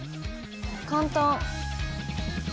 簡単。